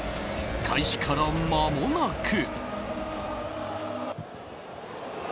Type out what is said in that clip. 開始からまもなく。